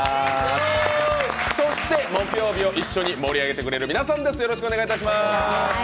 そして木曜日を一緒に盛り上げてくれる皆さんです。